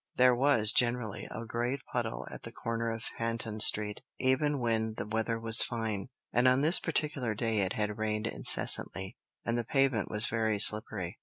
There was, generally, a great puddle at the corner of Panton Street, even when the weather was fine, and on this particular day it had rained incessantly, and the pavement was very slippery.